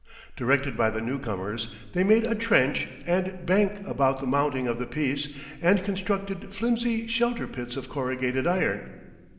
Directed by the newcomers, they made a trench and bank about the mounting of the piece, and constructed flimsy shelter pits of corrugated iron.